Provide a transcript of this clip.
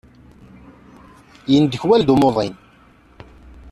Yendekwal-d umuḍin.